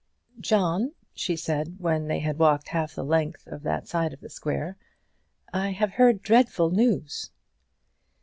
"John," she said, when they had walked half the length of that side of the square, "I have heard dreadful news."